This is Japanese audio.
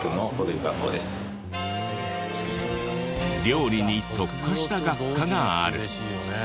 料理に特化した学科がある。